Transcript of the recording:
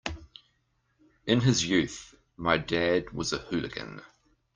In his youth my dad was a hooligan.